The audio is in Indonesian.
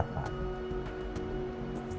kenapa pak nino tidak bisa bergabung ke bu jessica